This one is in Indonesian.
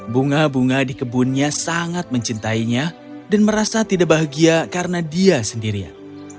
bunga bunga di kebunnya sangat mencintainya dan merasa tidak bahagia karena dia sendirian